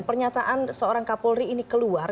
pernyataan seorang kapolri ini keluar